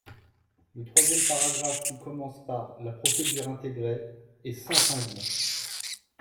Le troisième paragraphe, qui commence par « La procédure intégrée… » est sans changement.